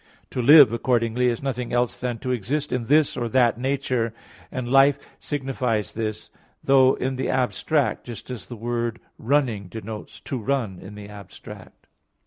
To live, accordingly, is nothing else than to exist in this or that nature; and life signifies this, though in the abstract, just as the word "running" denotes "to run" in the abstract.